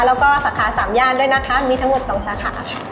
แล้วก็สาขาสามย่านด้วยนะคะมีทั้งหมด๒สาขา